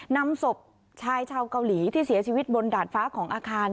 นำศพชายชาวเกาหลีที่เสียชีวิตบนดาดฟ้าของอาคาร